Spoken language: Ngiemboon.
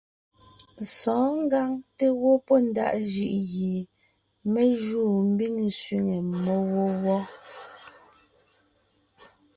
Sɔ̌ɔn ngǎŋ té gwɔ́ pɔ́ ndaʼ jʉʼ gie me júu mbiŋ sẅiŋe mmó wó wɔ́.